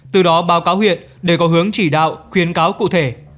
từ đó báo cáo huyện để có hướng chỉ đạo khuyến cáo cụ thể